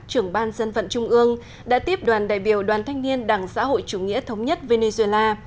trưởng ban dân vận trung ương đã tiếp đoàn đại biểu đoàn thanh niên đảng xã hội chủ nghĩa thống nhất venezuela